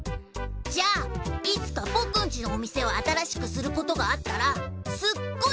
じゃあいつか僕んちのお店を新しくすることがあったらすっごい